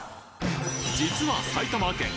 実は埼玉県